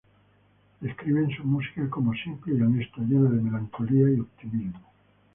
Describen su música como "simple y honesta, llena de melancolía y optimismo.